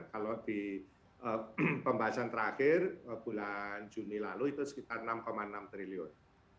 kalau di pembahasan terakhir bulan juni lalu itu sekitar enam enam triliun